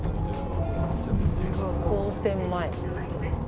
高専前。